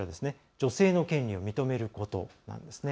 女性の権利を認めることなんですね。